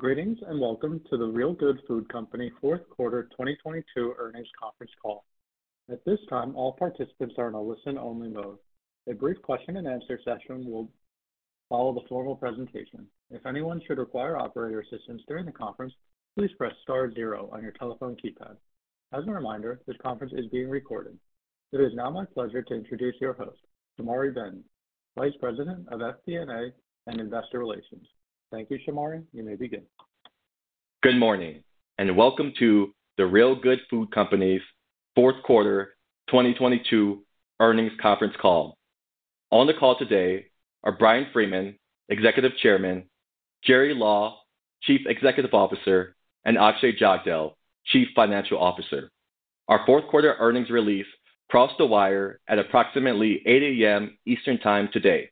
Greetings, welcome to The Real Good Food Company 4Q 2022 earnings conference call. At this time, all participants are in a listen-only mode. A brief question-and-answer session will follow the formal presentation. If anyone should require operator assistance during the conference, please press star zero on your telephone keypad. As a reminder, this conference is being recorded. It is now my pleasure to introduce your host, Shamari Benton, Vice President of FP&A and Investor Relations. Thank you, Shamari. You may begin. Good morning, and welcome to The Real Good Food Company's 4Q 2022 earnings conference call. On the call today are Bryan Freeman, Executive Chairman, Jerry Law, Chief Executive Officer, and Akshay Jagdale, Chief Financial Officer. Our 4Q earnings release crossed the wire at approximately 8:00 AM. Eastern Time today.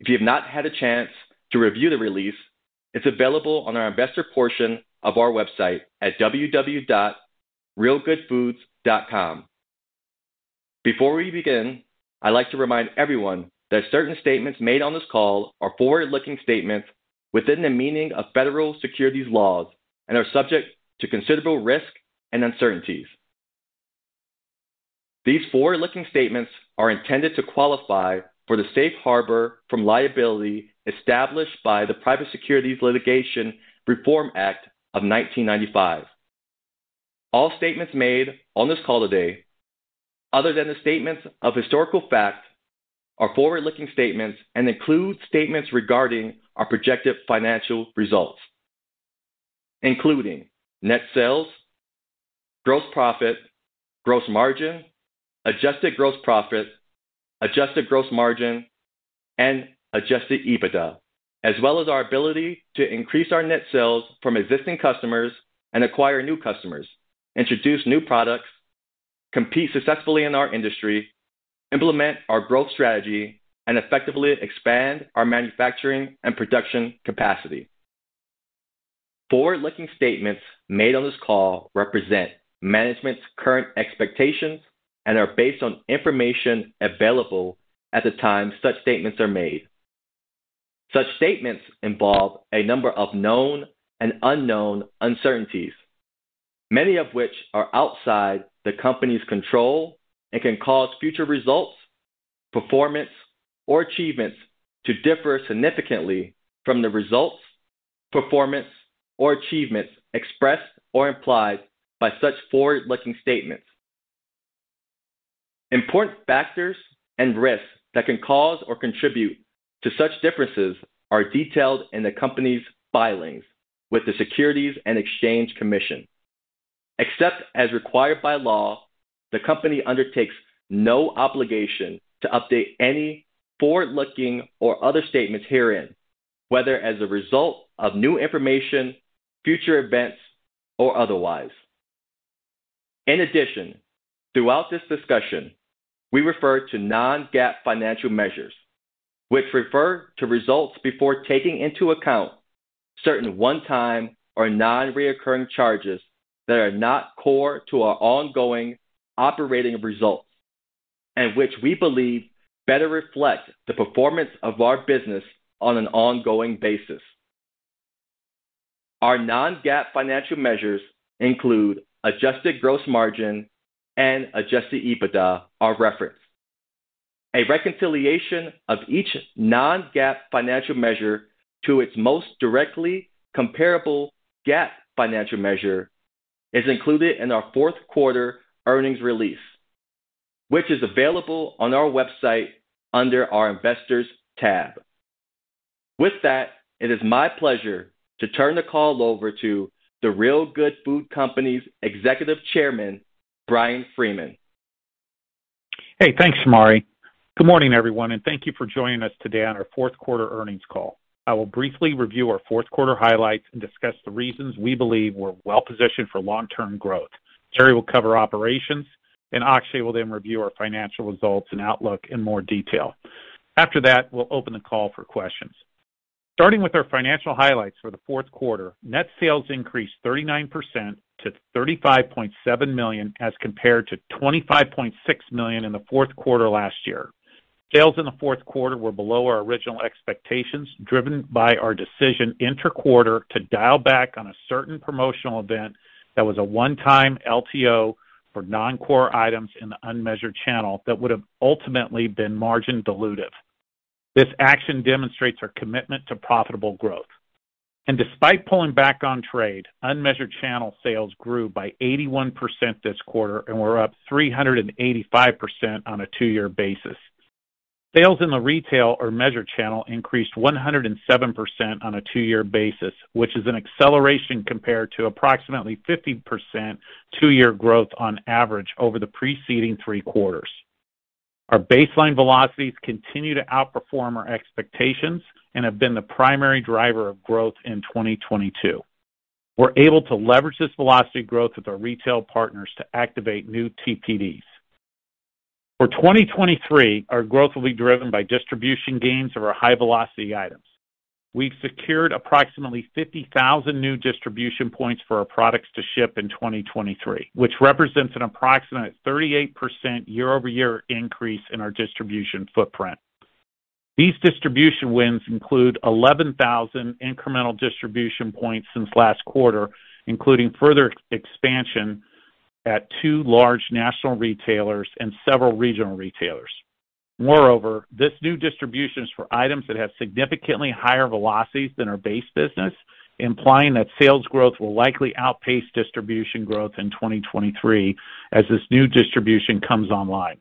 If you have not had a chance to review the release, it's available on our investor portion of our website at www.realgoodfoods.com. Before we begin, I'd like to remind everyone that certain statements made on this call are forward-looking statements within the meaning of federal securities laws and are subject to considerable risk and uncertainties. These forward-looking statements are intended to qualify for the safe harbor from liability established by the Private Securities Litigation Reform Act of 1995. All statements made on this call today, other than the statements of historical fact, are forward-looking statements and include statements regarding our projected financial results, including net sales, gross profit, gross margin, adjusted gross profit, adjusted gross margin, and Adjusted EBITDA, as well as our ability to increase our net sales from existing customers and acquire new customers, introduce new products, compete successfully in our industry, implement our growth strategy, and effectively expand our manufacturing and production capacity. Forward-looking statements made on this call represent management's current expectations and are based on information available at the time such statements are made. Such statements involve a number of known and unknown uncertainties, many of which are outside the company's control and can cause future results, performance, or achievements to differ significantly from the results, performance, or achievements expressed or implied by such forward-looking statements. Important factors and risks that can cause or contribute to such differences are detailed in the company's filings with the Securities and Exchange Commission. Except as required by law, the company undertakes no obligation to update any forward-looking or other statements herein, whether as a result of new information, future events, or otherwise. Throughout this discussion, we refer to non-GAAP financial measures, which refer to results before taking into account certain one-time or non-reoccurring charges that are not core to our ongoing operating results and which we believe better reflect the performance of our business on an ongoing basis. Our non-GAAP financial measures include adjusted gross margin and Adjusted EBITDA are referenced. A reconciliation of each non-GAAP financial measure to its most directly comparable GAAP financial measure is included in our 4Q earnings release, which is available on our website under our Investors tab. With that, it is my pleasure to turn the call over to The Real Good Food Company's Executive Chairman, Bryan Freeman. Hey, thanks, Shamari. Good morning, everyone. Thank you for joining us today on our 4Q earnings call. I will briefly review our 4Q highlights and discuss the reasons we believe we're well-positioned for long-term growth. Jerry will cover operations, and Akshay will then review our financial results and outlook in more detail. After that, we'll open the call for questions. Starting with our financial highlights for the 4Q, net sales increased 39% to $35.7 million as compared to $25.6 million in the 4Q last year. Sales in the 4Q were below our original expectations, driven by our decision interquarter to dial back on a certain promotional event that was a one-time LTO for non-core items in the unmeasured channel that would have ultimately been margin dilutive. This action demonstrates our commitment to profitable growth. Despite pulling back on trade, unmeasured channel sales grew by 81% this quarter and were up 385% on a two-year basis. Sales in the retail or measured channel increased 107% on a two-year basis, which is an acceleration compared to approximately 50% two-year growth on average over the preceding three quarters. Our baseline velocities continue to outperform our expectations and have been the primary driver of growth in 2022. We're able to leverage this velocity growth with our retail partners to activate new TPDs. For 2023, our growth will be driven by distribution gains of our high-velocity items. We've secured approximately 50,000 new distribution points for our products to ship in 2023, which represents an approximate 38% year-over-year increase in our distribution footprint. These distribution wins include 11,000 incremental distribution points since last quarter, including further expansion at two large national retailers and several regional retailers. Moreover, this new distribution is for items that have significantly higher velocities than our base business, implying that sales growth will likely outpace distribution growth in 2023 as this new distribution comes online.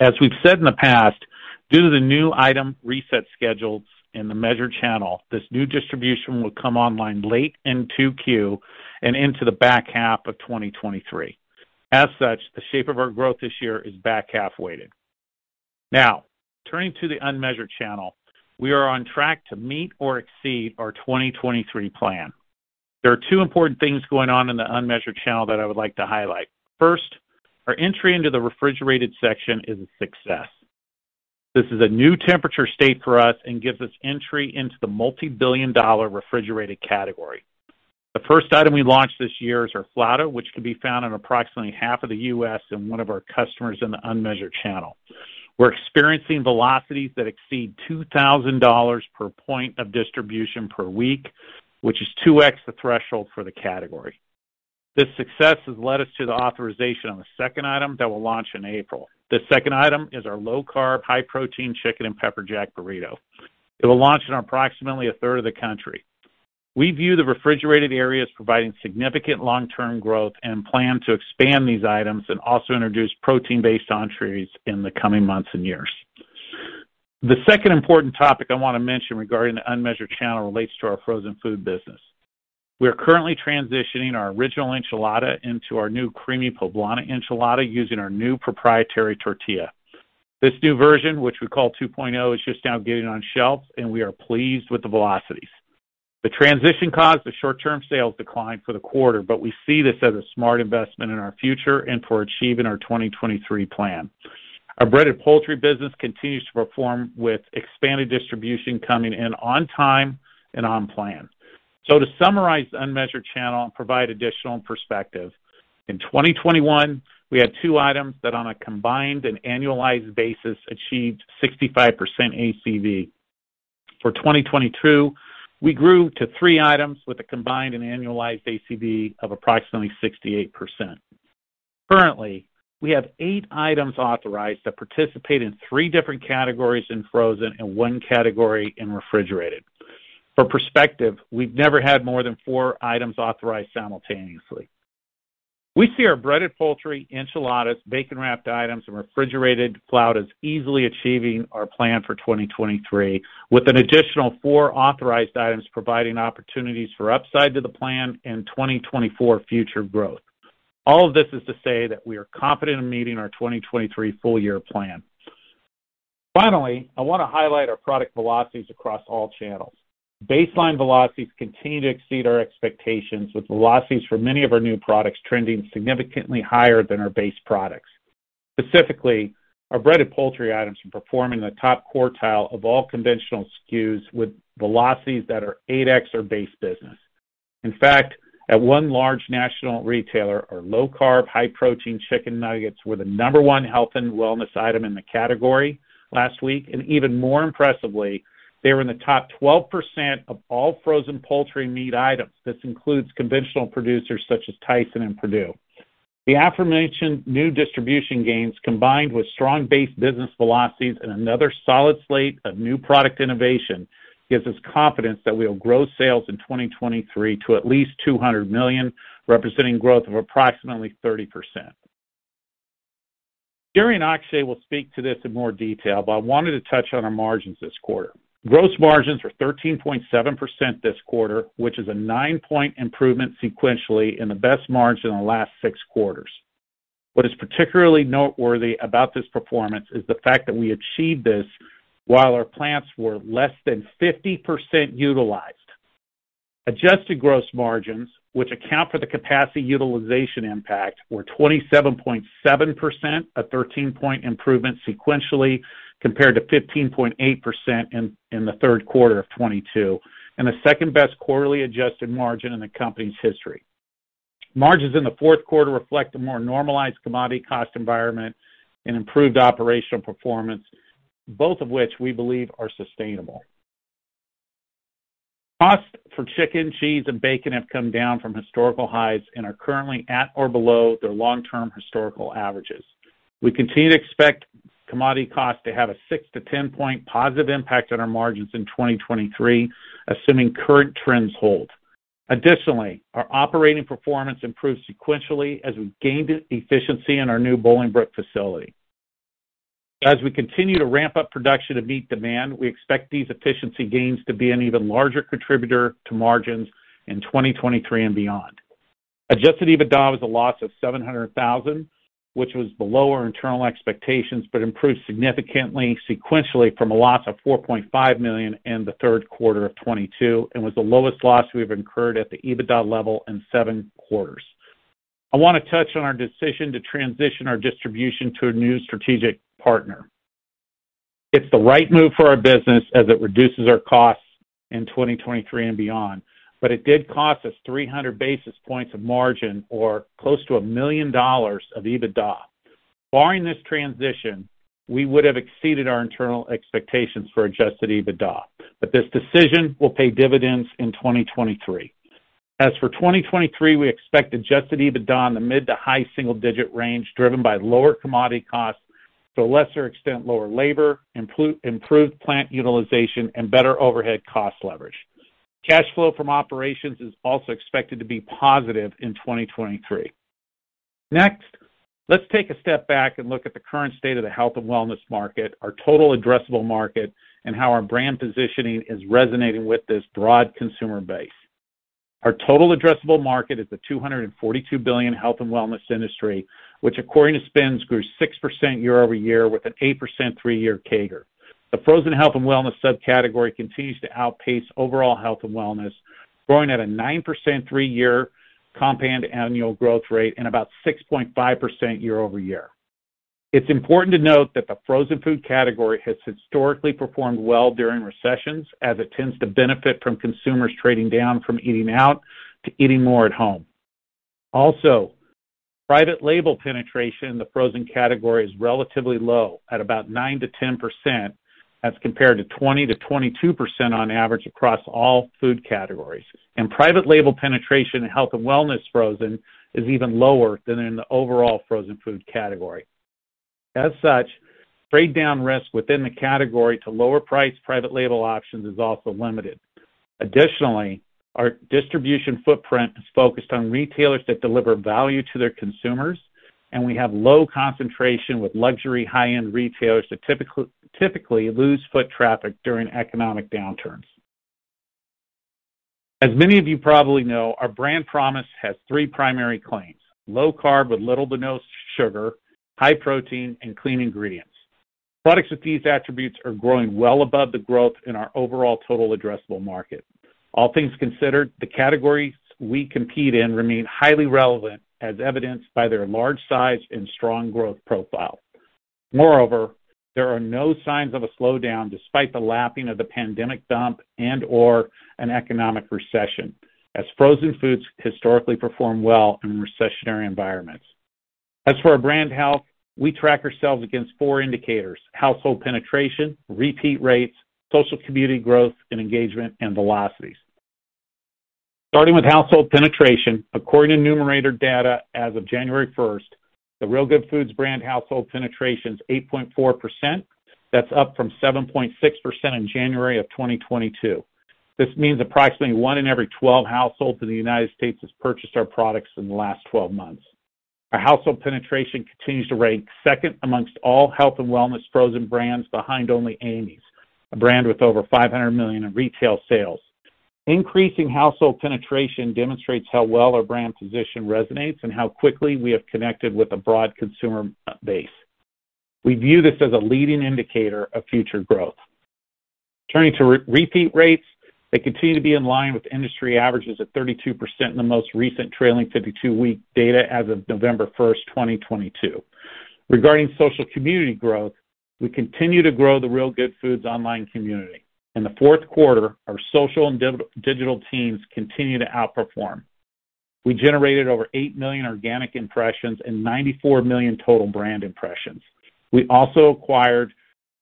As we've said in the past, due to the new item reset schedules in the measured channel, this new distribution will come online late in 2Q and into the back half of 2023. As such, the shape of our growth this year is back half-weighted. Now, turning to the unmeasured channel. We are on track to meet or exceed our 2023 plan. There are two important things going on in the unmeasured channel that I would like to highlight. First, our entry into the refrigerated section is a success. This is a new temperature state for us and gives us entry into the multi-billion dollar refrigerated category. The first item we launched this year is our Flauta, which can be found in approximately 1/2 of the U.S. and one of our customers in the unmeasured channel. We're experiencing velocities that exceed $2,000 per point of distribution per week, which is 2x the threshold for the category. This success has led us to the authorization on the second item that will launch in April. The second item is our low-carb, high-protein Chicken and Pepper Jack Burrito. It will launch in approximately a third of the country. We view the refrigerated areas providing significant long-term growth and plan to expand these items and also introduce protein-based entries in the coming months and years. The second important topic I want to mention regarding the unmeasured channel relates to our frozen food business. We are currently transitioning our original enchilada into our new Creamy Poblano Enchilada using our new proprietary tortilla. This new version, which we call 2.0, is just now getting on shelves, and we are pleased with the velocities. We see this as a smart investment in our future and for achieving our 2023 plan. Our Breaded Poultry business continues to perform with expanded distribution coming in on time and on plan. To summarize the unmeasured channel and provide additional perspective, in 2021, we had 2 items that, on a combined and annualized basis, achieved 65% ACV. For 2022, we grew to three items with a combined and annualized ACV of approximately 68%. Currently, we have eight items authorized that participate in three different categories in frozen and 1one category in refrigerated. For perspective, we've never had more than four items authorized simultaneously. We see our Breaded Poultry, enchiladas, bacon-wrapped items, and refrigerated Flautas easily achieving our plan for 2023, with an additional four authorized items providing opportunities for upside to the plan in 2024 future growth. All of this is to say that we are confident in meeting our 2023 full-year plan. Finally, I wanna highlight our product velocities across all channels. Baseline velocities continue to exceed our expectations, with velocities for many of our new products trending significantly higher than our base products. Specifically, our Breaded Poultry items are performing in the top quartile of all conventional SKUs with velocities that are 8x our base business. In fact, at one large national retailer, our low-carb, high-protein chicken nuggets were the number 1 health and wellness item in the category last week, and even more impressively, they were in the top 12% of all frozen poultry meat items. This includes conventional producers such as Tyson and Perdue. The aforementioned new distribution gains, combined with strong base business velocities and another solid slate of new product innovation, gives us confidence that we'll grow sales in 2023 to at least $200 million, representing growth of approximately 30%. Gary and Akshay will speak to this in more detail. I wanted to touch on our margins this quarter. Gross margins are 13.7% this quarter, which is a nine-point improvement sequentially in the best margin in the last six quarters. What is particularly noteworthy about this performance is the fact that we achieved this while our plants were less than 50% utilized. Adjusted gross margins, which account for the capacity utilization impact, were 27.7%, a 13-point improvement sequentially compared to 15.8% in the 3Q of 2022, and the second-best quarterly adjusted margin in the company's history. Margins in the 4Q reflect a more normalized commodity cost environment and improved operational performance, both of which we believe are sustainable. Costs for chicken, cheese, and bacon have come down from historical highs and are currently at or below their long-term historical averages. We continue to expect commodity costs to have a six to 10 point positive impact on our margins in 2023, assuming current trends hold. Additionally, our operating performance improved sequentially as we gained efficiency in our new Bolingbrook facility. As we continue to ramp up production to meet demand, we expect these efficiency gains to be an even larger contributor to margins in 2023 and beyond. Adjusted EBITDA was a loss of $700,000, which was below our internal expectations but improved significantly sequentially from a loss of $4.5 million in the 3Q of 2022 and was the lowest loss we've incurred at the EBITDA level in seven quarters. I want to touch on our decision to transition our distribution to a new strategic partner. It's the right move for our business as it reduces our costs. In 2023 and beyond, it did cost us 300 basis points of margin or close to $1 million of EBITDA. Barring this transition, we would have exceeded our internal expectations for Adjusted EBITDA. This decision will pay dividends in 2023. As for 2023, we expect Adjusted EBITDA in the mid to high single-digit range, driven by lower commodity costs, to a lesser extent lower labor, improved plant utilization, and better overhead cost leverage. Cash flow from operations is also expected to be positive in 2023. Next, let's take a step back and look at the current state of the health and wellness market, our total addressable market, and how our brand positioning is resonating with this broad consumer base. Our total addressable market is the $242 billion health and wellness industry, which according to SPINS, grew 6% year-over-year with an 8% three-year CAGR. The frozen health and wellness subcategory continues to outpace overall health and wellness, growing at a 9% three-year compound annual growth rate and about 6.5% year-over-year. It's important to note that the frozen food category has historically performed well during recessions as it tends to benefit from consumers trading down from eating out to eating more at home. Private label penetration in the frozen category is relatively low at about 9%-10% as compared to 20%-22% on average across all food categories. Private label penetration in health and wellness frozen is even lower than in the overall frozen food category. Trade-down risk within the category to lower price private label options is also limited. Our distribution footprint is focused on retailers that deliver value to their consumers, and we have low concentration with luxury high-end retailers that typically lose foot traffic during economic downturns. As many of you probably know, our brand promise has three primary claims: low carb with little to no sugar, high protein, and clean ingredients. Products with these attributes are growing well above the growth in our overall total addressable market. All things considered, the categories we compete in remain highly relevant, as evidenced by their large size and strong growth profile. Moreover, there are no signs of a slowdown despite the lapping of the pandemic dump and/or an economic recession as frozen foods historically perform well in recessionary environments. As for our brand health, we track ourselves against four indicators: household penetration, repeat rates, social community growth and engagement, and velocities. Starting with household penetration, according to Numerator data as of January 4th the Real Good Foods brand household penetration is 8.4%. That's up from 7.6% in January of 2022. This means approximately one in every 12 households in the U.S. has purchased our products in the last 12 months. Our household penetration continues to rank second amongst all health and wellness frozen brands behind only Amy's, a brand with over $500 million in retail sales. Increasing household penetration demonstrates how well our brand position resonates and how quickly we have connected with a broad consumer base. We view this as a leading indicator of future growth. Turning to repeat rates, they continue to be in line with industry averages of 32% in the most recent trailing 52-week data as of 1 November 2022. Regarding social community growth, we continue to grow the Real Good Foods online community. In the 4Q, our social and digital teams continued to outperform. We generated over eight million organic impressions and 94 million total brand impressions. We also acquired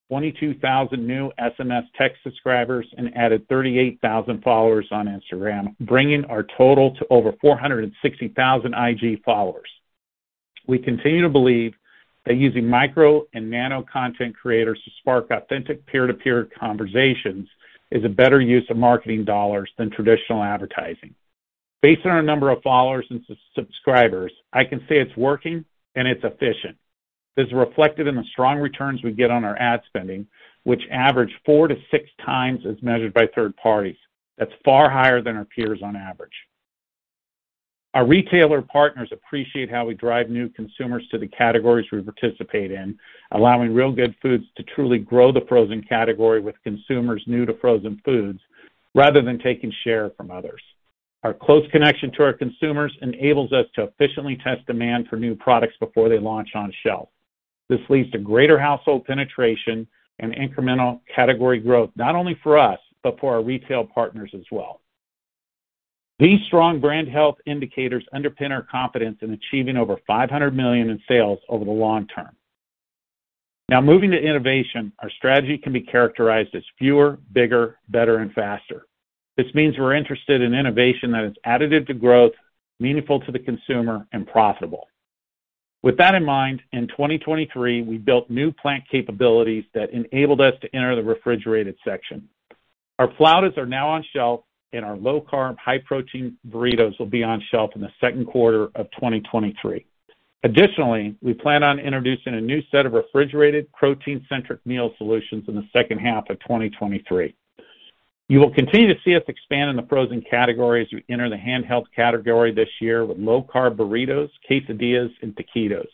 22,000 new SMS text subscribers and added 38,000 followers on Instagram, bringing our total to over 460,000 IG followers. We continue to believe that using micro and nano content creators to spark authentic peer-to-peer conversations is a better use of marketing dollars than traditional advertising. Based on our number of followers and subscribers, I can say it's working and it's efficient. That's far higher than our peers on average. This is reflected in the strong returns we get on our ad spending, which average four to six times as measured by third parties. Our retailer partners appreciate how we drive new consumers to the categories we participate in, allowing Real Good Foods to truly grow the frozen category with consumers new to frozen foods rather than taking share from others. Our close connection to our consumers enables us to efficiently test demand for new products before they launch on shelf. This leads to greater household penetration and incremental category growth, not only for us, but for our retail partners as well. These strong brand health indicators underpin our confidence in achieving over $500 million in sales over the long term. Moving to innovation, our strategy can be characterized as fewer, bigger, better and faster. This means we're interested in innovation that is additive to growth, meaningful to the consumer, and profitable. With that in mind, in 2023, we built new plant capabilities that enabled us to enter the refrigerated section. Our Flautas are now on shelf, and our low-carb, high-protein burritos will be on shelf in the 2Q of 2023. Additionally, we plan on introducing a new set of refrigerated protein-centric meal solutions in the H2 of 2023. You will continue to see us expand in the frozen category as we enter the handheld category this year with low-carb burritos, quesadillas, and taquitos.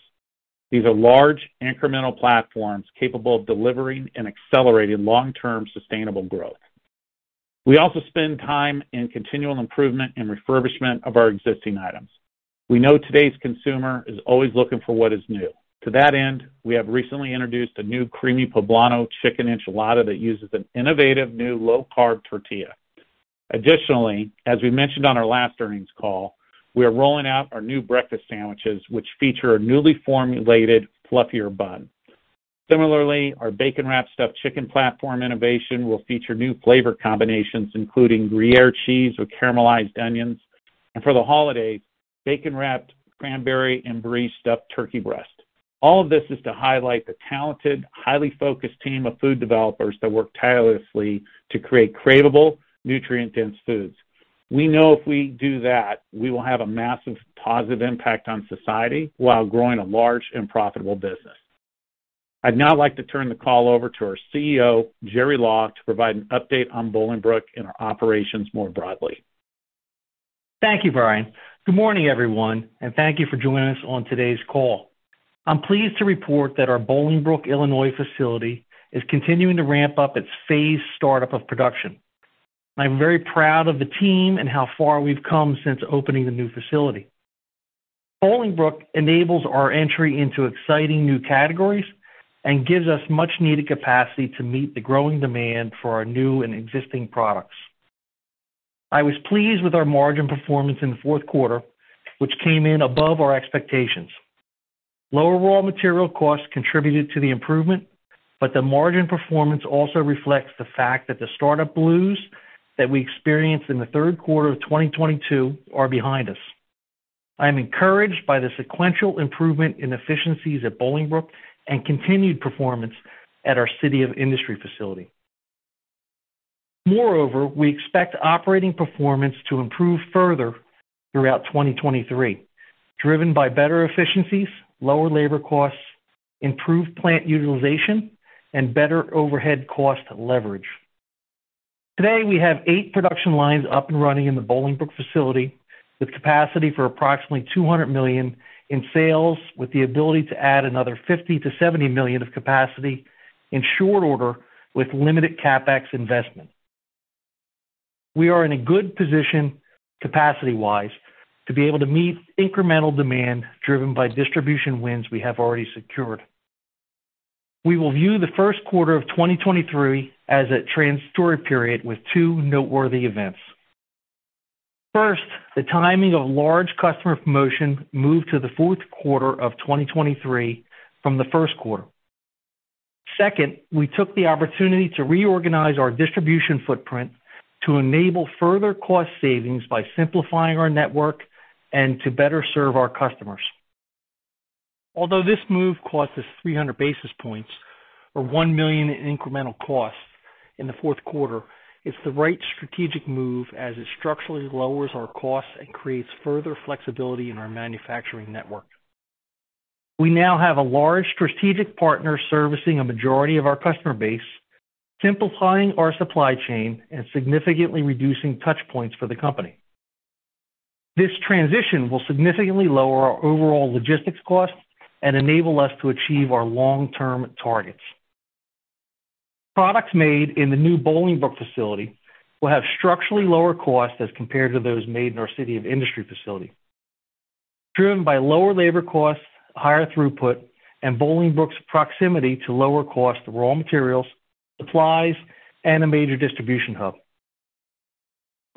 These are large incremental platforms capable of delivering and accelerating long-term sustainable growth. We also spend time in continual improvement and refurbishment of our existing items. We know today's consumer is always looking for what is new. To that end, we have recently introduced a new Creamy Poblano Enchilada chicken that uses an innovative new low-carb tortilla. Additionally, as we mentioned on our last earnings call, we are rolling out our new Breakfast Sandwiches, which feature a newly formulated fluffier bun. Similarly, our Bacon Wrapped Stuffed Chicken platform innovation will feature new flavor combinations, including gruyere cheese with caramelized onions, and for the holidays, bacon-wrapped cranberry and Brie-stuffed turkey breast. All of this is to highlight the talented, highly focused team of food developers that work tirelessly to create craveable, nutrient-dense foods. We know if we do that, we will have a massive positive impact on society while growing a large and profitable business. I'd now like to turn the call over to our CEO, Jerry Law, to provide an update on Bolingbrook and our operations more broadly. Thank you, Bryan. Good morning, everyone, and thank you for joining us on today's call. I'm pleased to report that our Bolingbrook, Illinois facility is continuing to ramp up its phased startup of production. I'm very proud of the team and how far we've come since opening the new facility. Bolingbrook enables our entry into exciting new categories and gives us much-needed capacity to meet the growing demand for our new and existing products. I was pleased with our margin performance in the 4Q, which came in above our expectations. Lower raw material costs contributed to the improvement, but the margin performance also reflects the fact that the startup blues that we experienced in the 3Q of 2022 are behind us. I am encouraged by the sequential improvement in efficiencies at Bolingbrook and continued performance at our City of Industry facility. Moreover, we expect operating performance to improve further throughout 2023, driven by better efficiencies, lower labor costs, improved plant utilization, and better overhead cost leverage. Today, we have 8 production lines up and running in the Bolingbrook facility with capacity for approximately $200 million in sales, with the ability to add another $50 million-$70 million of capacity in short order with limited CapEx investment. We are in a good position capacity-wise to be able to meet incremental demand driven by distribution wins we have already secured. We will view the1Q of 2023 as a transitory period with two noteworthy events. First, the timing of large customer promotion moved to the 4Q of 2023 from the1Q. Second, we took the opportunity to reorganize our distribution footprint to enable further cost savings by simplifying our network and to better serve our customers. Although this move cost us 300 basis points or $1 million in incremental costs in the 4Q, it's the right strategic move as it structurally lowers our costs and creates further flexibility in our manufacturing network. We now have a large strategic partner servicing a majority of our customer base, simplifying our supply chain and significantly reducing touch points for the company. This transition will significantly lower our overall logistics costs and enable us to achieve our long-term targets. Products made in the new Bolingbrook facility will have structurally lower costs as compared to those made in our City of Industry facility, driven by lower labor costs, higher throughput, and Bolingbrook's proximity to lower cost raw materials, supplies, and a major distribution hub.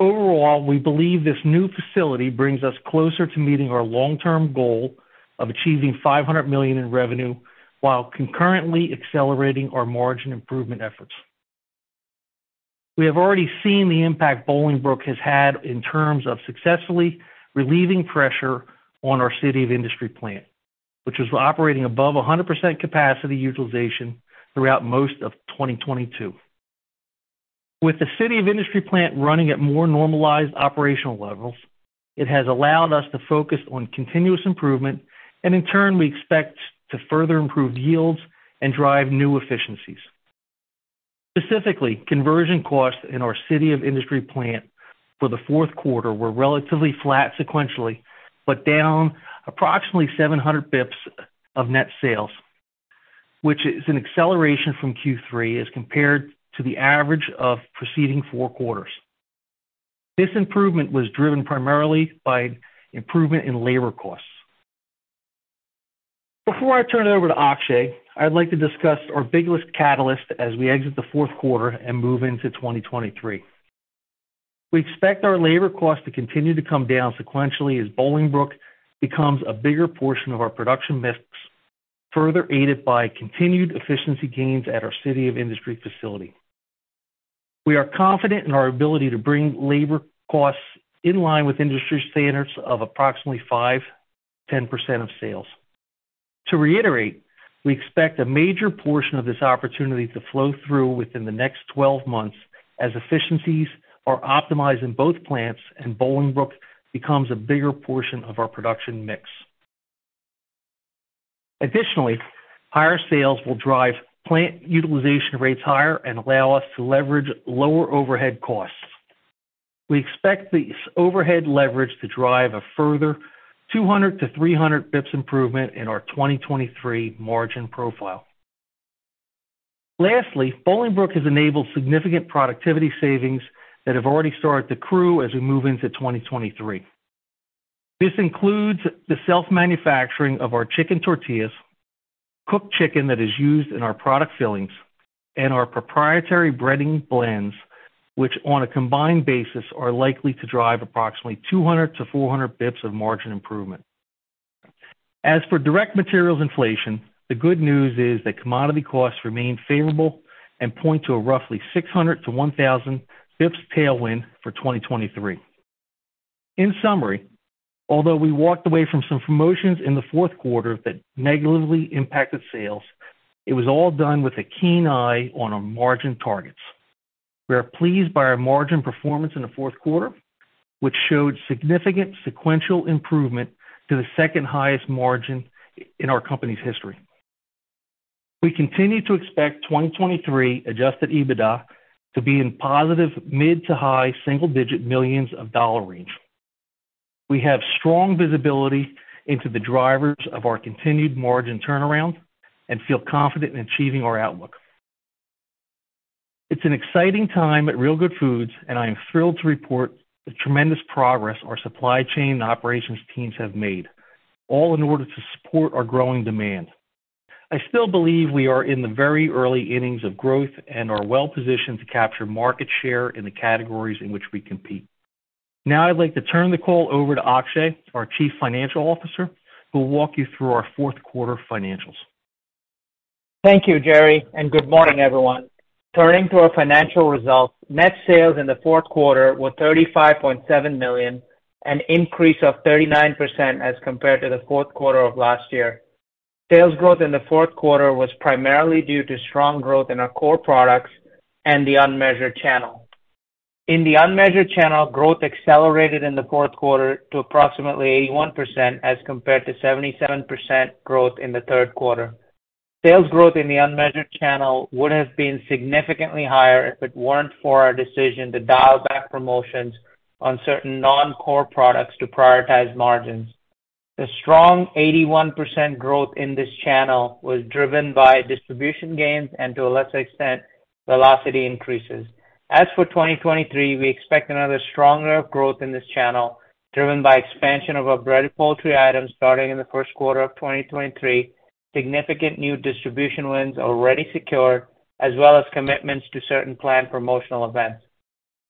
Overall, we believe this new facility brings us closer to meeting our long-term goal of achieving $500 million in revenue while concurrently accelerating our margin improvement efforts. We have already seen the impact Bolingbrook has had in terms of successfully relieving pressure on our City of Industry plant, which was operating above 100% capacity utilization throughout most of 2022. With the City of Industry plant running at more normalized operational levels, it has allowed us to focus on continuous improvement, and in turn, we expect to further improve yields and drive new efficiencies. Specifically, conversion costs in our City of Industry plant for the 4Q were relatively flat sequentially, but down approximately 700 basis points of net sales, which is an acceleration from Q3 as compared to the average of preceding 4 quarters. This improvement was driven primarily by improvement in labor costs. Before I turn it over to Akshay, I'd like to discuss our biggest catalyst as we exit the 4Q and move into 2023. We expect our labor costs to continue to come down sequentially as Bolingbrook becomes a bigger portion of our production mix, further aided by continued efficiency gains at our City of Industry facility. We are confident in our ability to bring labor costs in line with industry standards of approximately 5%-10% of sales. To reiterate, we expect a major portion of this opportunity to flow through within the next 12 months as efficiencies are optimized in both plants and Bolingbrook becomes a bigger portion of our production mix. Additionally, higher sales will drive plant utilization rates higher and allow us to leverage lower overhead costs. We expect this overhead leverage to drive a further 200-300 bps improvement in our 2023 margin profile. Lastly, Bolingbrook has enabled significant productivity savings that have already started to accrue as we move into 2023. This includes the self-manufacturing of our chicken tortillas, cooked chicken that is used in our product fillings, and our proprietary breading blends, which, on a combined basis, are likely to drive approximately 200-400 bps of margin improvement. As for direct materials inflation, the good news is that commodity costs remain favorable and point to a roughly 600-1,000 bps tailwind for 2023. In summary, although we walked away from some promotions in the 4Q that negatively impacted sales, it was all done with a keen eye on our margin targets. We are pleased by our margin performance in the 4Q, which showed significant sequential improvement to the second highest margin in our company's history. We continue to expect 2023 Adjusted EBITDA to be in positive mid to high single-digit millions of dollars. We have strong visibility into the drivers of our continued margin turnaround and feel confident in achieving our outlook. It's an exciting time at Real Good Foods, I am thrilled to report the tremendous progress our supply chain and operations teams have made, all in order to support our growing demand. I still believe we are in the very early innings of growth and are well-positioned to capture market share in the categories in which we compete. I'd like to turn the call over to Akshay, our Chief Financial Officer, who will walk you through our 4Q financials. Thank you, Jerry. Good morning, everyone. Turning to our financial results. Net sales in the 4Q were $35.7 million, an increase of 39% as compared to the 4Q of last year. Sales growth in the 4Q was primarily due to strong growth in our core products and the unmeasured channel. In the unmeasured channel, growth accelerated in the 4Q to approximately 81% as compared to 77% growth in the 3Q. Sales growth in the unmeasured channel would have been significantly higher if it weren't for our decision to dial back promotions on certain non-core products to prioritize margins. The strong 81% growth in this channel was driven by distribution gains and, to a lesser extent, velocity increases. As for 2023, we expect another strong year of growth in this channel, driven by expansion of our Breaded Poultry items starting in the1Q of 2023, significant new distribution wins already secured, as well as commitments to certain planned promotional events.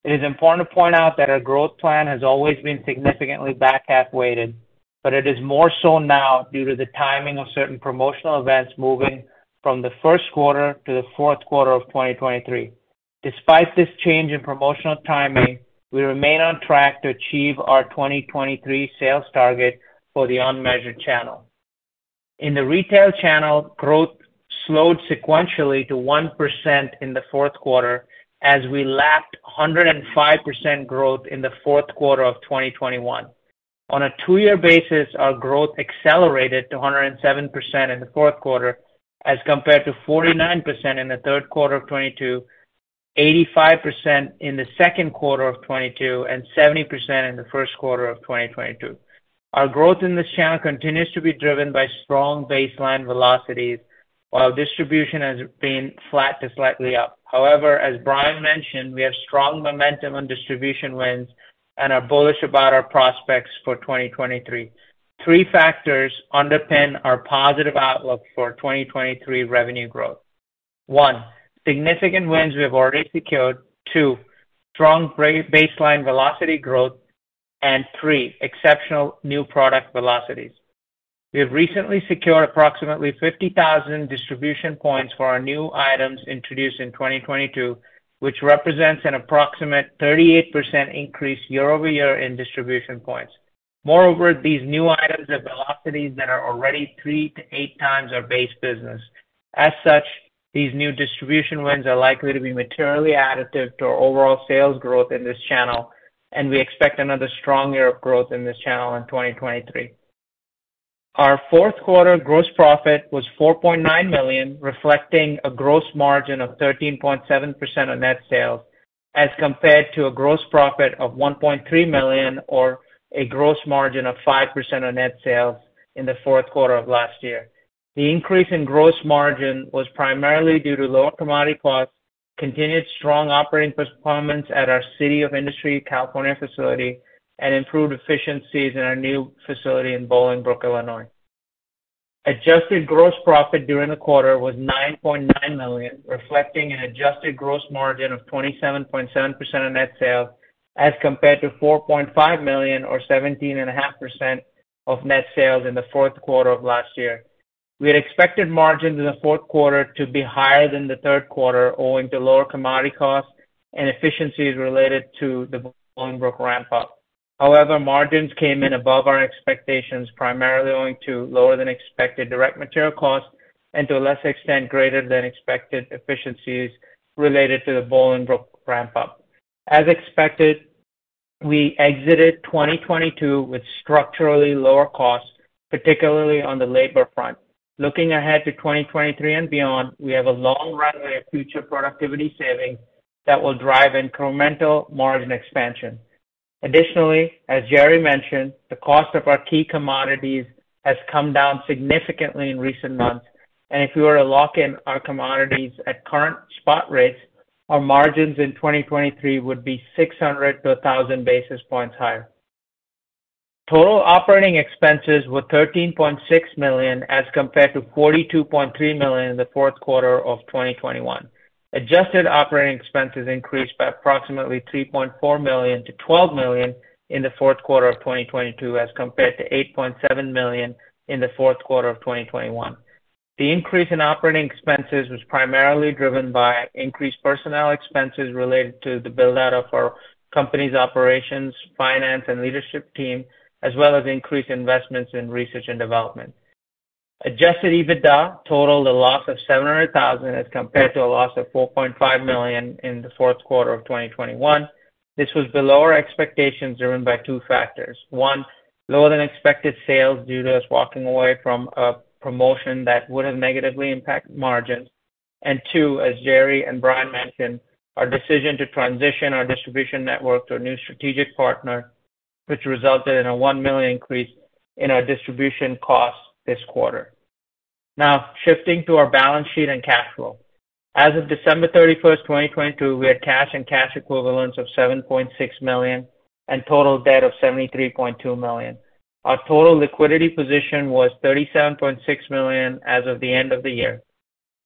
It is important to point out that our growth plan has always been significantly back-half weighted, but it is more so now due to the timing of certain promotional events moving from the1Q to the 4Q of 2023. Despite this change in promotional timing, we remain on track to achieve our 2023 sales target for the unmeasured channel. In the retail channel, growth slowed sequentially to 1% in the 4Q as we lapped 105% growth in the 4Q of 2021. On a two-year basis, our growth accelerated to 107% in the 4Q as compared to 49% in the 3Q of 2022, 85% in the 2Q of 2022, and 70% in the1Q of 2022. Our growth in this channel continues to be driven by strong baseline velocities while distribution has been flat to slightly up. However, as Bryan mentioned, we have strong momentum on distribution wins and are bullish about our prospects for 2023. Three factors underpin our positive outlook for 2023 revenue growth. One, significant wins we have already secured. Two, strong baseline velocity growth. Three, exceptional new product velocities. We have recently secured approximately 50,000 distribution points for our new items introduced in 2022, which represents an approximate 38% increase year-over-year in distribution points. Moreover, these new items have velocities that are already three to eight times our base business. As such, these new distribution wins are likely to be materially additive to our overall sales growth in this channel, and we expect another strong year of growth in this channel in 2023. Our 4Q gross profit was $4.9 million, reflecting a gross margin of 13.7% of net sales, as compared to a gross profit of $1.3 million or a gross margin of 5% of net sales in the 4Q of last year. The increase in gross margin was primarily due to lower commodity costs, continued strong operating performance at our City of Industry, California, facility, and improved efficiencies in our new facility in Bolingbrook, Illinois. Adjusted gross profit during the quarter was $9.9 million, reflecting an adjusted gross margin of 27.7% of net sales, as compared to $4.5 million or 17.5% of net sales in the 4Q of last year. We had expected margins in the 4Q to be higher than the 3Q, owing to lower commodity costs and efficiencies related to the Bolingbrook ramp up. However, margins came in above our expectations, primarily owing to lower than expected direct material costs and to a lesser extent, greater than expected efficiencies related to the Bolingbrook ramp up. As expected, we exited 2022 with structurally lower costs, particularly on the labor front. Looking ahead to 2023 and beyond, we have a long runway of future productivity savings that will drive incremental margin expansion. Additionally, as Gerry mentioned, the cost of our key commodities has come down significantly in recent months. If we were to lock in our commodities at current spot rates, our margins in 2023 would be 600 to 1,000 basis points higher. Total operating expenses were $13.6 million as compared to $42.3 million in the 4Q of 2021. Adjusted operating expenses increased by approximately $3.4 million to $12 million in the 4Q of 2022 as compared to $8.7 million in the 4Q of 2021. The increase in operating expenses was primarily driven by increased personnel expenses related to the build-out of our company's operations, finance, and leadership team, as well as increased investments in research and development. Adjusted EBITDA totaled a loss of $700,000 as compared to a loss of $4.5 million in the 4Q of 2021. This was below our expectations, driven by two factors. One, lower than expected sales due to us walking away from a promotion that would have negatively impacted margins. Two, as Jerry and Bryan Freeman mentioned, our decision to transition our distribution network to a new strategic partner, which resulted in a $1 million increase in our distribution costs this quarter. Shifting to our balance sheet and cash flow. As of December 31st, 2022, we had cash and cash equivalents of $7.6 million and total debt of $73.2 million. Our total liquidity position was $37.6 million as of the end of the year.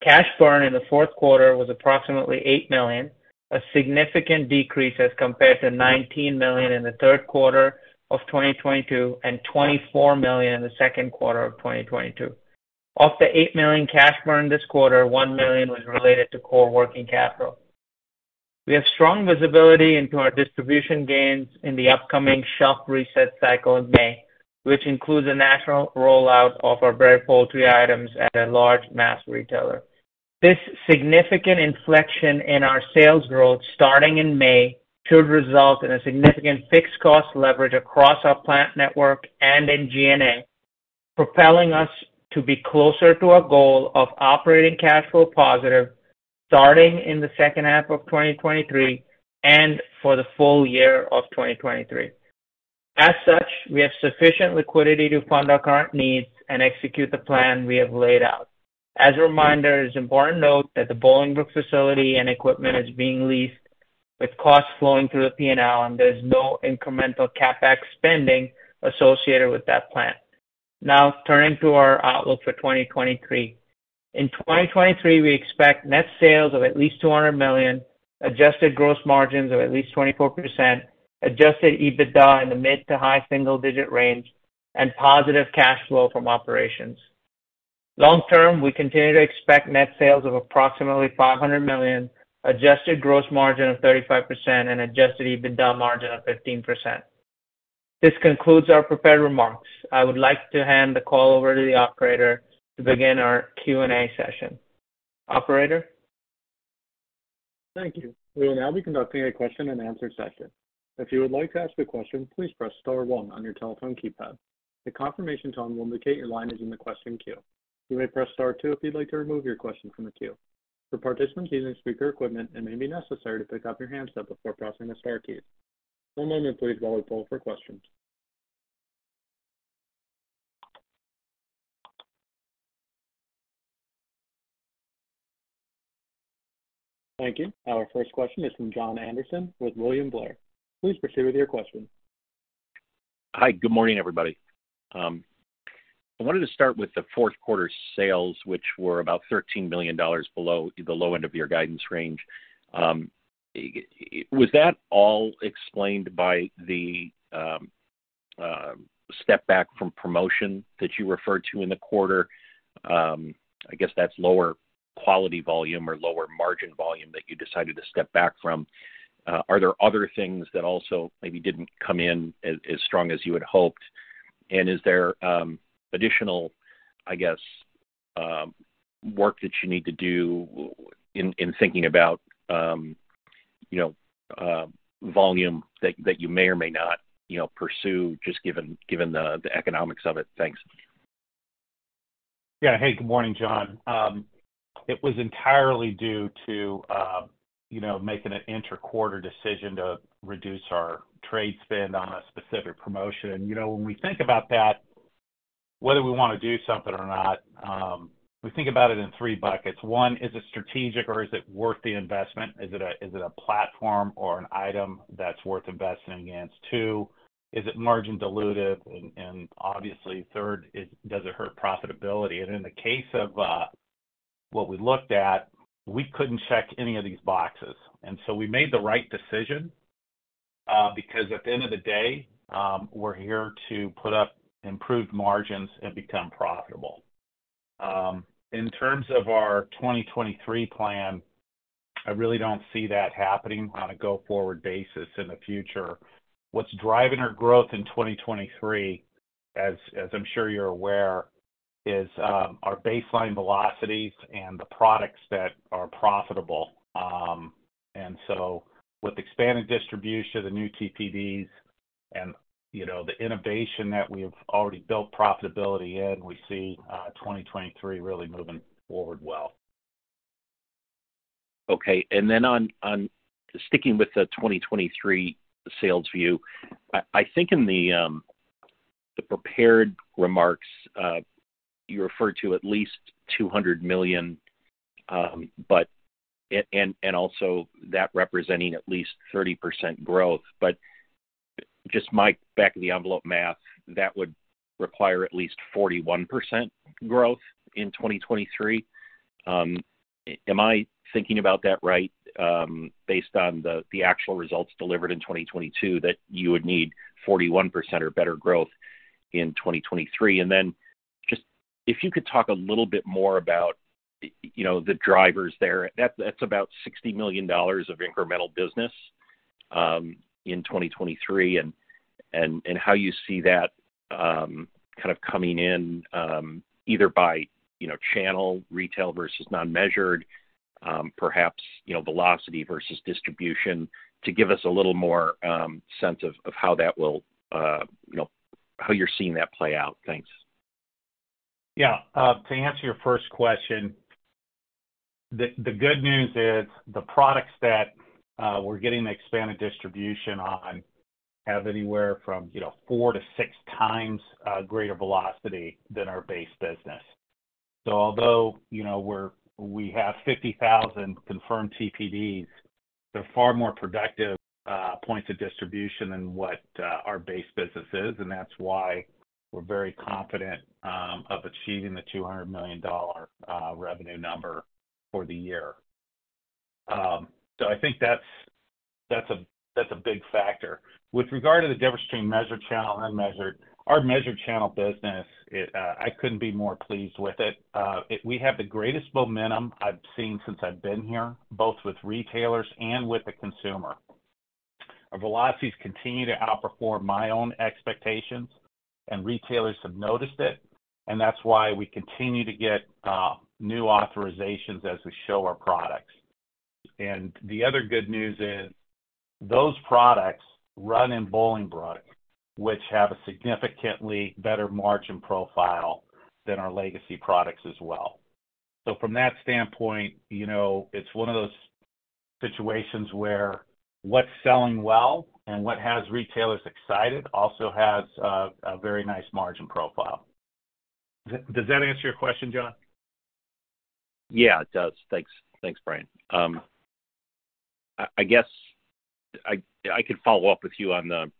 Cash burn in the 4Q was approximately $8 million, a significant decrease as compared to $19 million in the 3Q of 2022 and $24 million in the 2Q of 2022. Of the $8 million cash burn this quarter, $1 million was related to core working capital. We have strong visibility into our distribution gains in the upcoming shelf reset cycle in May, which includes a national rollout of our Breaded Poultry items at a large mass retailer. This significant inflection in our sales growth starting in May should result in a significant fixed cost leverage across our plant network and in G&A, propelling us to be closer to our goal of operating cash flow positive starting in the H2 of 2023 and for the full year of 2023. As such, we have sufficient liquidity to fund our current needs and execute the plan we have laid out. As a reminder, it is important to note that the Bolingbrook facility and equipment is being leased with costs flowing through the P&L, and there's no incremental CapEx spending associated with that plant. Now turning to our outlook for 2023. In 2023, we expect net sales of at least $200 million, adjusted gross margins of at least 24%, Adjusted EBITDA in the mid to high single-digit range, and positive cash flow from operations. Long term, we continue to expect net sales of approximately $500 million, adjusted gross margin of 35%, and Adjusted EBITDA margin of 15%. This concludes our prepared remarks. I would like to hand the call over to the operator to begin our Q&A session. Operator? Thank you. We will now be conducting a question and answer session. If you would like to ask a question, please press star one on your telephone keypad. The confirmation tone will indicate your line is in the question queue. You may press star two if you'd like to remove your question from the queue. For participants using speaker equipment, it may be necessary to pick up your handset before pressing the star key. One moment please while we poll for questions. Thank you. Our first question is from Jon Andersen with William Blair. Please proceed with your question. Hi. Good morning, everybody. I wanted to start with the 4Q sales, which were about $13 million below the low end of your guidance range. Was that all explained by the step back from promotion that you referred to in the quarter? I guess that's lower quality volume or lower margin volume that you decided to step back from. Are there other things that also maybe didn't come in as strong as you had hoped? Is there additional, I guess, work that you need to do in thinking about, you know, volume that you may or may not, you know, pursue, just given the economics of it? Thanks. Yeah. Hey, good morning, Jon. It was entirely due to, you know, making an inter-quarter decision to reduce our trade spend on a specific promotion. You know, when we think about that, whether we wanna do something or not, we think about it in three buckets. One, is it strategic or is it worth the investment? Is it a platform or an item that's worth investing against? Two, is it margin dilutive? Obviously third is, does it hurt profitability? In the case of what we looked at, we couldn't check any of these boxes. So we made the right decision, because at the end of the day, we're here to put up improved margins and become profitable. In terms of our 2023 plan, I really don't see that happening on a go-forward basis in the future. What's driving our growth in 2023, as I'm sure you're aware, is our baseline velocities and the products that are profitable. With expanded distribution, the new TPDs and, you know, the innovation that we have already built profitability in, we see 2023 really moving forward well. Okay. Then on sticking with the 2023 sales view, I think in the prepared remarks, you referred to at least $200 million, but also that representing at least 30% growth. Just my back of the envelope math, that would require at least 41% growth in 2023. Am I thinking about that right, based on the actual results delivered in 2022, that you would need 41% or better growth in 2023? Then just if you could talk a little bit more about, you know, the drivers there. That's about $60 million of incremental business, in 2023 and how you see that, kind of coming in, either by, you know, channel retail versus non-measured, perhaps, you know, velocity versus distribution to give us a little more, sense of how that will, you know, how you're seeing that play out. Thanks. Yeah. To answer your first question, the good news is the products that we're getting the expanded distribution on have anywhere from 4 to 6 times greater velocity than our base business. Although we have 50,000 confirmed TPDs, they're far more productive points of distribution than what our base business is. That's why we're very confident of achieving the $200 million revenue number for the year. I think that's a, that's a big factor. With regard to the difference between measured channel and unmeasured, our measured channel business, it, I couldn't be more pleased with it. We have the greatest momentum I've seen since I've been here, both with retailers and with the consumer. Our velocities continue to outperform my own expectations. Retailers have noticed it, and that's why we continue to get new authorizations as we show our products. The other good news is those products run in Bolingbrook, which have a significantly better margin profile than our legacy products as well. From that standpoint, you know, it's one of those situations where what's selling well and what has retailers excited also has a very nice margin profile. Does that answer your question, Jon? Yeah, it does. Thanks. Thanks, Bryan. I guess I could follow up with you on the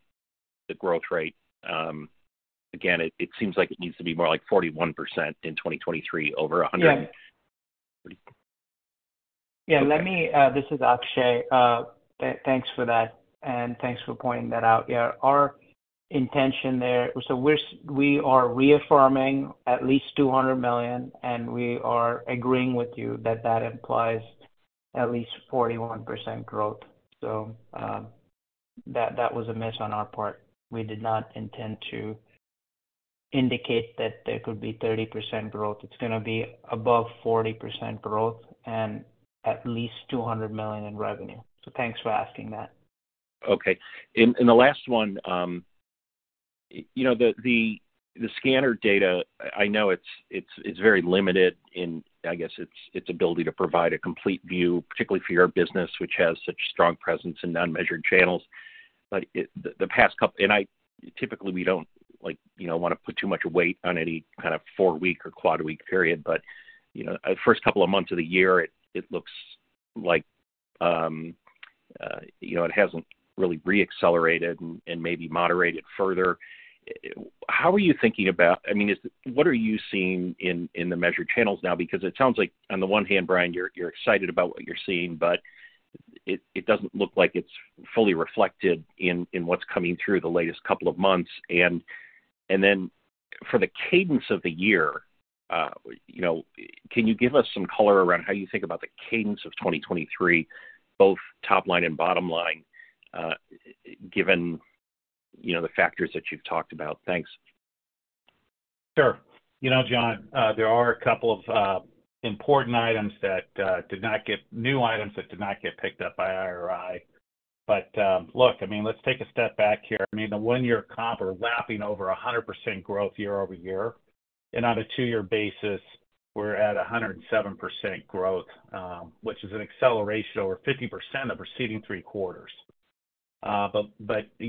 growth rate. Again, it seems like it needs to be more like 41% in 2023 over 100 and-. Yeah. 30. Yeah. Okay. This is Akshay. Thanks for that, and thanks for pointing that out. Yeah, our intention there. We are reaffirming at least $200 million, and we are agreeing with you that that implies at least 41% growth. That was a miss on our part. We did not intend to indicate that there could be 30% growth. It's gonna be above 40% growth and at least $200 million in revenue. Thanks for asking that. Okay. The last one, you know, the scanner data, I know it's very limited in, I guess, its ability to provide a complete view, particularly for your business, which has such strong presence in unmeasured channels. Typically, we don't, like, you know, wanna put too much weight on any kind of four-week or quad week period. You know, first couple of months of the year, it looks like, you know, it hasn't really re-accelerated and maybe moderated further. How are you thinking about? I mean, what are you seeing in the measured channels now? Because it sounds like on the one hand, Bryan, you're excited about what you're seeing, but it doesn't look like it's fully reflected in what's coming through the latest couple of months. Then for the cadence of the year, you know, can you give us some color around how you think about the cadence of 2023, both top line and bottom line, given, you know, the factors that you've talked about? Thanks. Sure. You know, Jon, there are a couple of important items that did not get new items that did not get picked up by IRI. Look, I mean, let's take a step back here. I mean, the one-year comp are lapping over 100% growth year-over-year. On a two-year basis, we're at 107% growth, which is an acceleration over 50% of preceding three quarters. You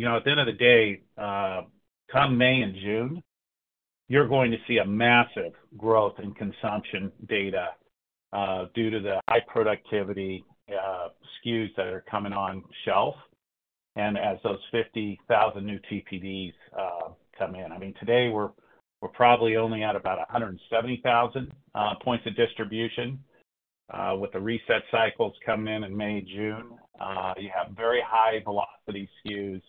know, at the end of the day, come May and June, you're going to see a massive growth in consumption data due to the high productivity SKUs that are coming on shelf. As those 50,000 new TPDs come in. I mean, today we're probably only at about 170,000 points of distribution. With the reset cycles coming in in May, June, you have very high velocity SKUs,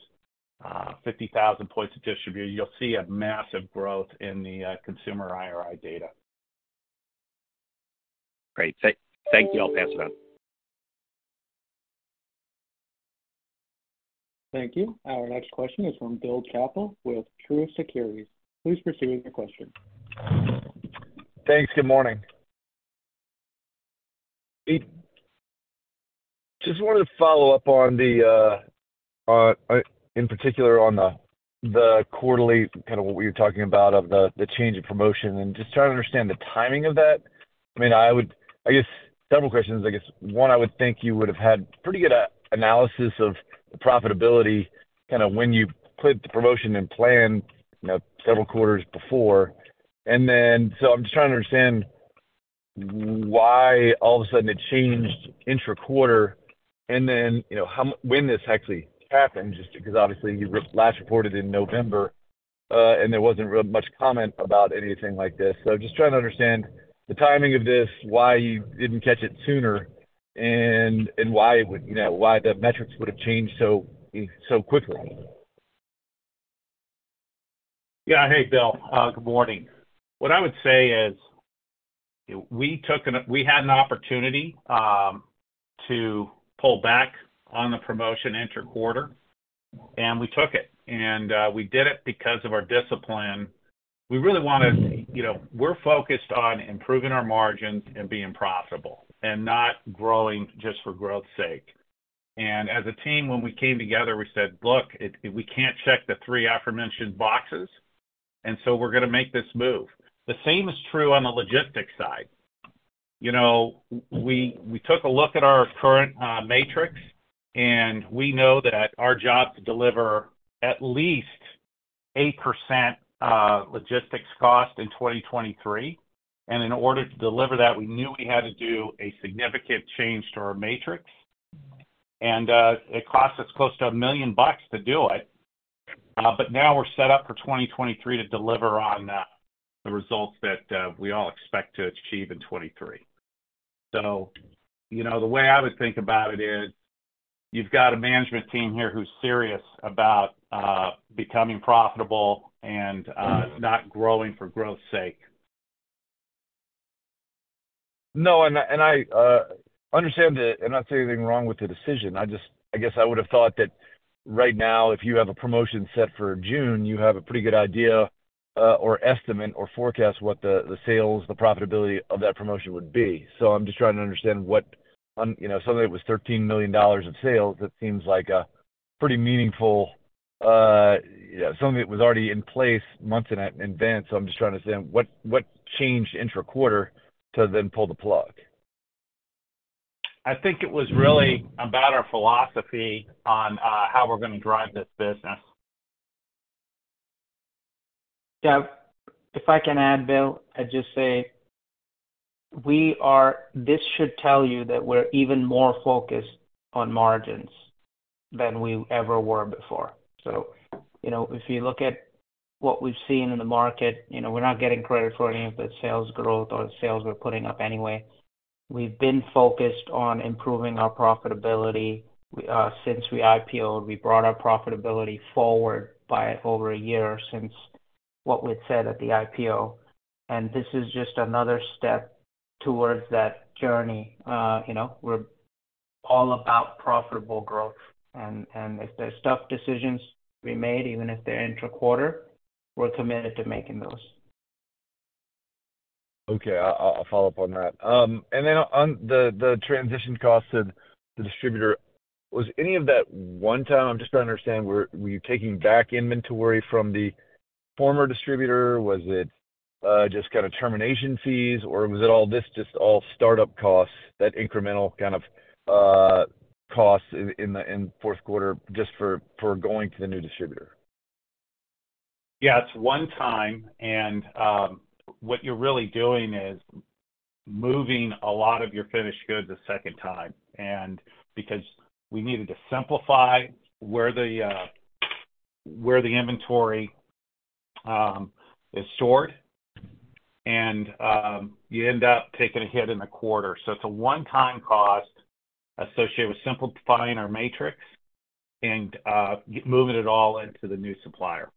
50,000 points of distribution. You'll see a massive growth in the consumer IRI data. Great. Thank you. I'll pass it on. Thank you. Our next question is from Bill Chappell with Truist Securities. Please proceed with your question. Thanks. Good morning. Just wanted to follow up on the in particular on the quarterly kind of what we were talking about of the change in promotion and just trying to understand the timing of that. I mean, I guess several questions. One, I would think you would have had pretty good analysis of the profitability, kind of when you put the promotion and plan several quarters before. I'm just trying to understand why all of a sudden it changed intra-quarter and then, you know, when this actually happened, just because obviously you last reported in November, and there wasn't really much comment about anything like this. Just trying to understand the timing of this, why you didn't catch it sooner, and why it would, you know, why the metrics would have changed so quickly. Yeah. Hey, Bill. Good morning. What I would say is we had an opportunity to pull back on the promotion interquarter, we took it. We did it because of our discipline. We really wanna, you know, we're focused on improving our margins and being profitable and not growing just for growth's sake. As a team, when we came together, we said, "Look, if we can't check the three aforementioned boxes, we're gonna make this move." The same is true on the logistics side. You know, we took a look at our current matrix, we know that our job to deliver at least 8% logistics cost in 2023. In order to deliver that, we knew we had to do a significant change to our matrix. It cost us close to $1 million bucks to do it. Now we're set up for 2023 to deliver on the results that we all expect to achieve in 2023. You know, the way I would think about it is you've got a management team here who's serious about, becoming profitable and, not growing for growth's sake. No, I understand that. I'm not saying anything wrong with the decision. I just, I guess I would have thought that right now, if you have a promotion set for June, you have a pretty good idea, or estimate or forecast what the sales, the profitability of that promotion would be. I'm just trying to understand what, you know, something that was $13 million in sales, it seems like a pretty meaningful, something that was already in place months in advance. I'm just trying to understand what changed intraquarter to then pull the plug. I think it was really about our philosophy on how we're gonna drive this business. Yeah. If I can add, Bill, I'd just say this should tell you that we're even more focused on margins than we ever were before. You know, if you look at what we've seen in the market, you know, we're not getting credit for any of the sales growth or the sales we're putting up anyway. We've been focused on improving our profitability since we IPO'd. We brought our profitability forward by over a year since what we'd said at the IPO. This is just another step towards that journey. You know, we're all about profitable growth. If there's tough decisions to be made, even if they're intraquarter, we're committed to making those. Okay, I'll follow up on that. Then on the transition cost to the distributor, was any of that one-time? I'm just trying to understand, were you taking back inventory from the former distributor? Was it kind of termination fees, or was it all this just all startup costs, that incremental kind of costs in the 4Q just for going to the new distributor? Yeah, it's one time and what you're really doing is moving a lot of your finished goods a second time. Because we needed to simplify where the inventory is stored, and you end up taking a hit in the quarter. It's a one-time cost associated with simplifying our matrix and moving it all into the new supplier.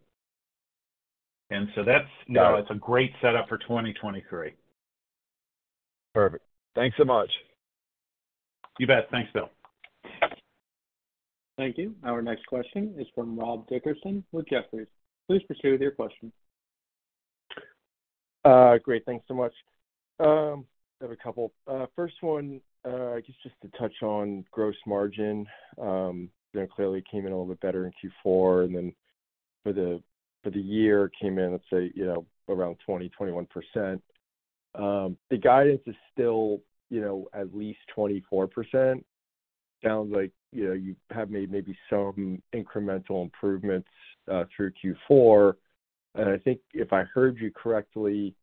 Got it. You know, it's a great setup for 2023. Perfect. Thanks so much. You bet. Thanks, Bill. Thank you. Our next question is from Rob Dickerson with Jefferies. Please proceed with your question. Great. Thanks so much. I have a couple. First one, I guess just to touch on gross margin, clearly came in a little bit better in Q4, and then for the, for the year came in, let's say, you know, around 20%-21%. The guidance is still, you know, at least 24%. Sounds like, you know, you have made maybe some incremental improvements through Q4. I think if I heard you correctly,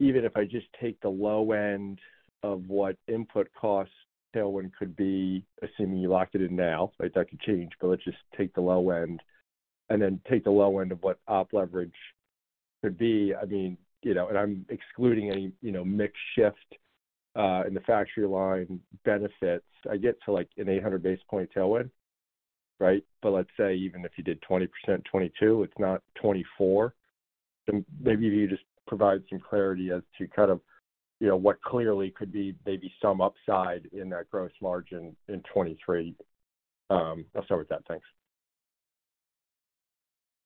even if I just take the low end of what input costs tailwind could be, assuming you locked it in now, right? That could change, but let's just take the low end and then take the low end of what op leverage could be. I mean, you know, and I'm excluding any, you know, mix shift in the factory line benefits. I get to like an 800 basis point tailwind, right? Let's say even if you did 20% 2022, it's not 2024. Maybe if you just provide some clarity as to kind of, you know, what clearly could be maybe some upside in that gross margin in 2023. I'll start with that. Thanks.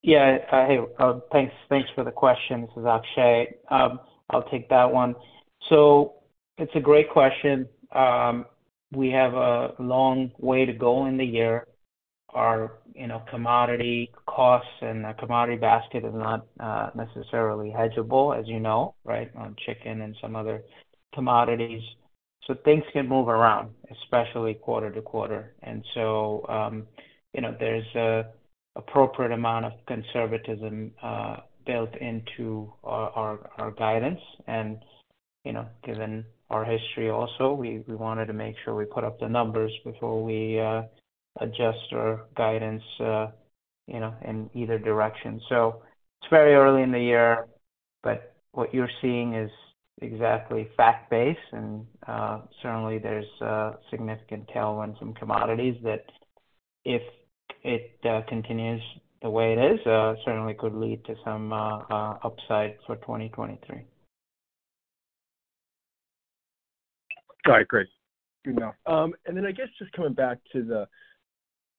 Yeah. Hey, thanks for the question. This is Akshay. I'll take that one. It's a great question. We have a long way to go in the year. Our, you know, commodity costs and our commodity basket is not necessarily hedgeable, as you know, right, on chicken and some other commodities. You know, there's a appropriate amount of conservatism built into our guidance. You know, given our history also, we wanted to make sure we put up the numbers before we adjust our guidance, you know, in either direction. It's very early in the year, but what you're seeing is exactly fact-based. Certainly there's a significant tailwind some commodities that if it continues the way it is, certainly could lead to some upside for 2023. All right, great. Good to know. I guess just coming back to the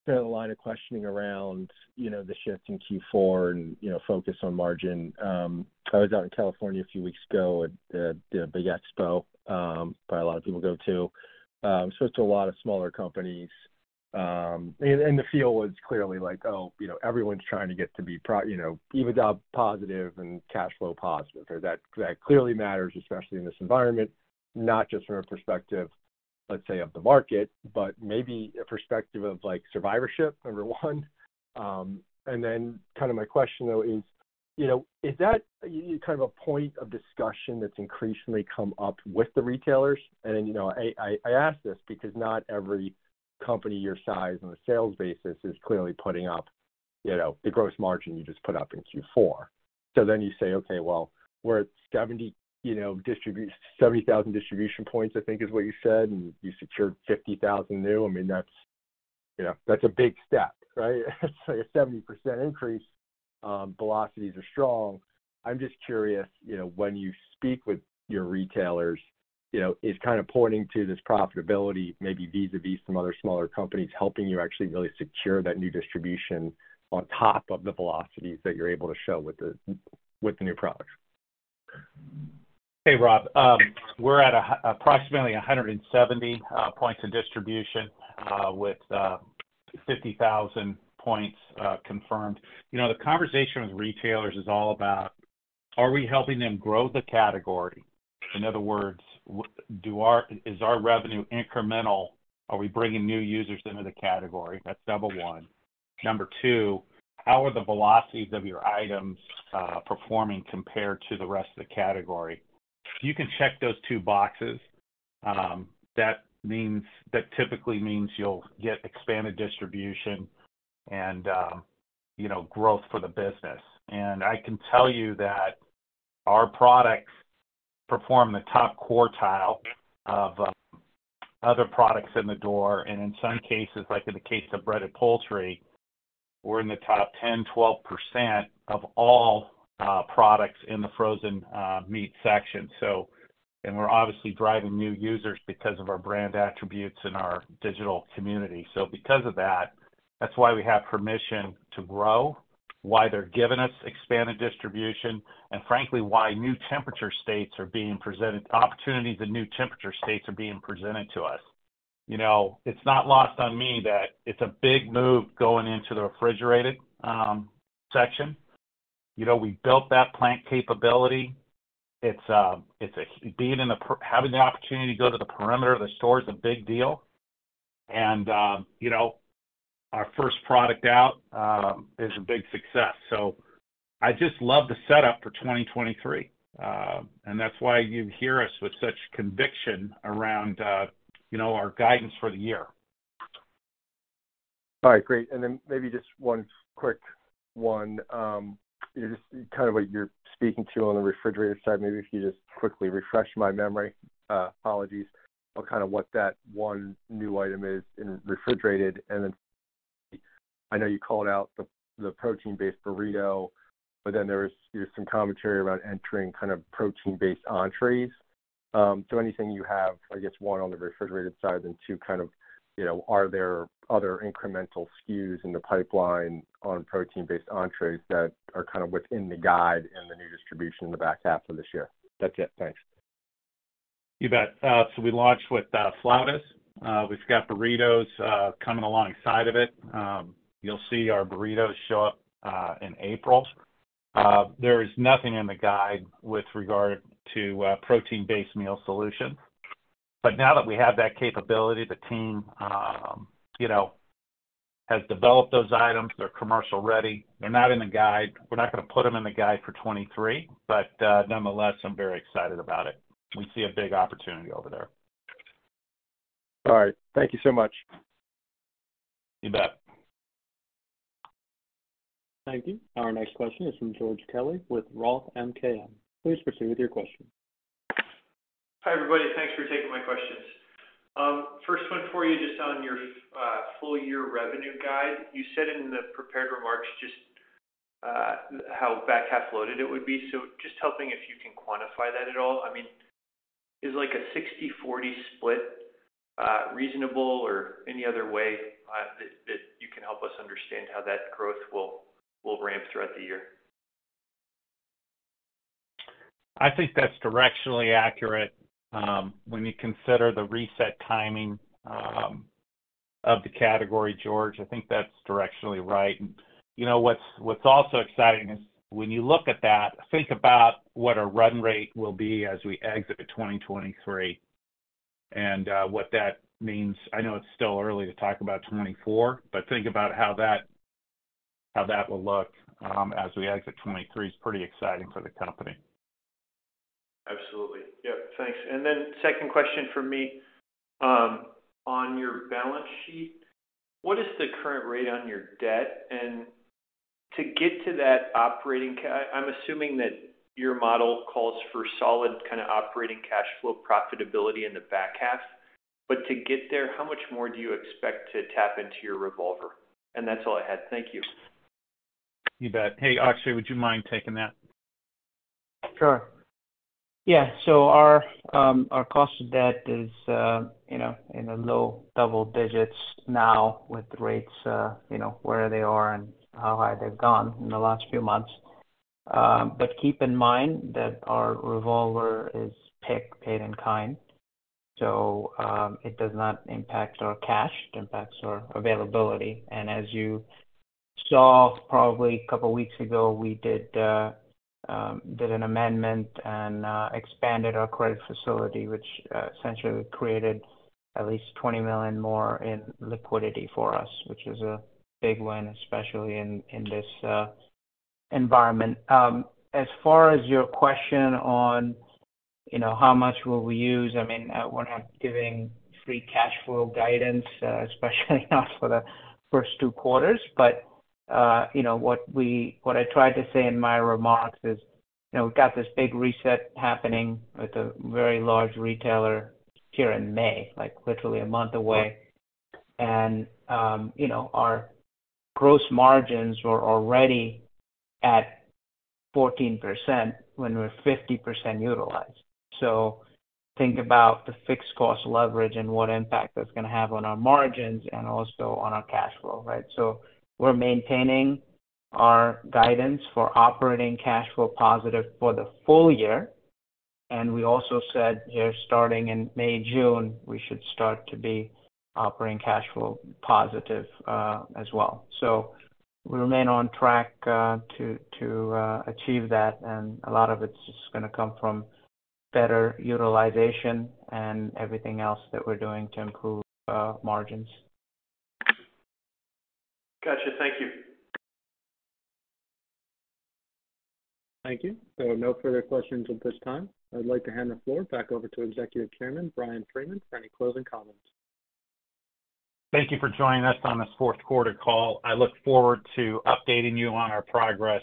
kind of the line of questioning around, you know, the shift in Q4 and, you know, focus on margin. I was out in California a few weeks ago at a big expo, that a lot of people go to. Spoke to a lot of smaller companies. The feel was clearly like, oh, you know, everyone's trying to get to be, you know, EBITDA positive and cash flow positive. That clearly matters, especially in this environment, not just from a perspective, let's say, of the market, but maybe a perspective of, like, survivorship, number one. Kind of my question though is, you know, is that kind of a point of discussion that's increasingly come up with the retailers? You know, I ask this because not every company your size on a sales basis is clearly putting up, you know, the gross margin you just put up in Q4. You say, okay, well, we're at 70,000 distribution points, I think is what you said, and you secured 50,000 new. I mean, that's, you know, that's a big step, right? It's like a 70% increase. Velocities are strong. I'm just curious, you know, when you speak with your retailers, you know, is kind of pointing to this profitability maybe vis-a-vis some other smaller companies helping you actually really secure that new distribution on top of the velocities that you're able to show with the new products. Hey, Rob. We're at approximately 170 points of distribution with 50,000 points confirmed. You know, the conversation with retailers is all about are we helping them grow the category? In other words, is our revenue incremental? Are we bringing new users into the category? That's number one. Number two, how are the velocities of your items performing compared to the rest of the category? If you can check those two boxes, that typically means you'll get expanded distribution and, you know, growth for the business. And I can tell you that our products perform in the top quartile of other products in the door. In some cases, like in the case of Breaded Poultry, we're in the top 10%-12% of all products in the frozen meat section. We're obviously driving new users because of our brand attributes and our digital community. Because of that's why we have permission to grow, why they're giving us expanded distribution, and frankly, why new temperature states are being presented to us. You know, it's not lost on me that it's a big move going into the refrigerated section. You know, we built that plant capability. Having the opportunity to go to the perimeter of the store is a big deal. You know, our first product out is a big success. I just love the setup for 2023. That's why you hear us with such conviction around, you know, our guidance for the year. All right, great. Maybe just one quick one. Just kind of what you're speaking to on the refrigerator side, maybe if you just quickly refresh my memory, apologies, on kind of what that one new item is in refrigerated. I know you called out the protein-based burrito, but then there was some commentary about entering kind of protein-based entrees. Anything you have, I guess, one on the refrigerated side and two kind of, you know, are there other incremental SKUs in the pipeline on protein-based entrees that are kind of within the guide and the new distribution in the back half of this year? That's it. Thanks. You bet. We launched with flautas. We've got burritos coming alongside of it. You'll see our burritos show up in April. There is nothing in the guide with regard to protein-based meal solutions. Now that we have that capability, the team, you know, has developed those items. They're commercial ready. They're not in the guide. We're not gonna put them in the guide for 23. Nonetheless, I'm very excited about it. We see a big opportunity over there. All right. Thank you so much. You bet. Thank you. Our next question is from George Kelly with Roth MKM. Please proceed with your question. Hi, everybody. Thanks for taking my questions. First one for you, just on your full year revenue guide. You said in the prepared remarks just how back half loaded it would be. Just helping if you can quantify that at all. Is like a 60/40 split reasonable or any other way that you can help us understand how that growth will ramp throughout the year? I think that's directionally accurate, when you consider the reset timing, of the category, George. I think that's directionally right. You know, what's also exciting is when you look at that, think about what our run rate will be as we exit 2023, and what that means. I know it's still early to talk about 2024, but think about how that, how that will look, as we exit 2023. It's pretty exciting for the company. Absolutely. Yep. Thanks. 2nd question from me. On your balance sheet, what is the current rate on your debt? To get to that operating, I'm assuming that your model calls for solid kind of operating cash flow profitability in the back half. To get there, how much more do you expect to tap into your revolver? That's all I had. Thank you. You bet. Hey, Akshay, would you mind taking that? Sure. Yeah. Our cost of debt is, you know, in the low double digits now with rates, you know, where they are and how high they've gone in the last few months. Keep in mind that our revolver is PIK paid in kind, so it does not impact our cash, it impacts our availability. As you saw probably a couple weeks ago, we did an amendment and expanded our credit facility, which essentially created at least $20 million more in liquidity for us, which is a big win, especially in this environment. As far as your question on, you know, how much will we use, I mean, we're not giving free cash flow guidance, especially not for the first two quarters. You know, what I tried to say in my remarks is, you know, we've got this big reset happening with a very large retailer here in May, like literally a month away. You know, our gross margins were already at 14% when we're 50% utilized. Think about the fixed cost leverage and what impact that's gonna have on our margins and also on our cash flow, right? We're maintaining our guidance for operating cash flow positive for the full year, and we also said here, starting in May, June, we should start to be operating cash flow positive as well. We remain on track to achieve that, and a lot of it's just gonna come from better utilization and everything else that we're doing to improve margins. Gotcha. Thank you. Thank you. There are no further questions at this time. I'd like to hand the floor back over to Executive Chairman Bryan Freeman for any closing comments. Thank you for joining us on this 4Q call. I look forward to updating you on our progress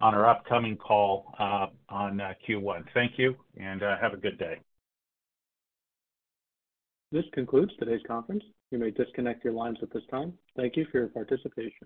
on our upcoming call, on Q1. Thank you, and have a good day. This concludes today's conference. You may disconnect your lines at this time. Thank you for your participation.